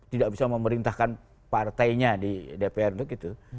tidak bisa memerintahkan partainya di dpr itu gitu